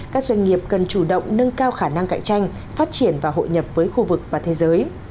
các doanh nghiệp cần chủ động nâng cao khả năng cạnh tranh phát triển và hội nhập với khu vực và thế giới